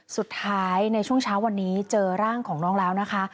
ในช่วงเช้าวันนี้เจอร่างของน้องแล้วนะคะ